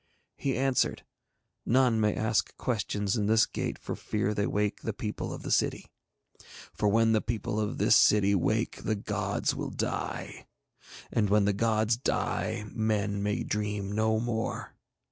He answered: 'None may ask questions in this gate for fear they wake the people of the city. For when the people of this city wake the gods will die. And when the gods die men may dream no more.'